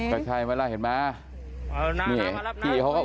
นี่เขาก็อุศาเห็นไหม